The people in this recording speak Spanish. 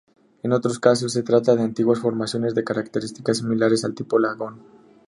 En otros casos, se trata de antiguas formaciones de características similares al tipo lagoon.